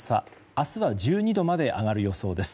明日は１２度まで上がる予想です。